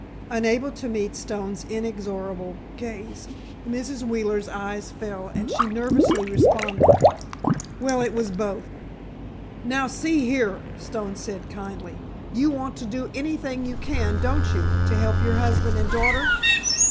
Unable to meet Stone's inexorable gaze, Mrs. Wheeler's eyes fell and she nervously responded: "Well, it was both." "Now, see here," Stone said, kindly; "you want to do anything you can, don't you, to help your husband and daughter?"